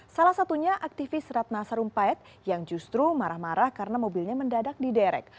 salah satunya aktivis ratna sarumpait yang justru marah marah karena mobilnya mendadak di derek